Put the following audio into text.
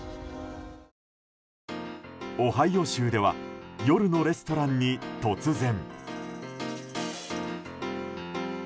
オハイオ州では夜のレストランに突然。